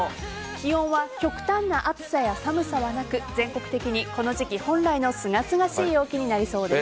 気温は極端な暑さや寒さはなく全国的にこの時期本来のすがすがしい陽気になりそうです。